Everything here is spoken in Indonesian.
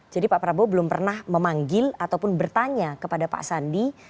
jadi pak prabowo belum pernah memanggil ataupun bertanya kepada pak sandi